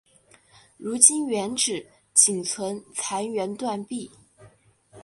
如今原址仅存残垣断壁。